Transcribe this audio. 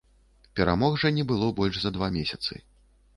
Перамог жа не было больш за два месяцы.